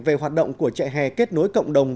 về hoạt động của chạy hè kết nối cộng đồng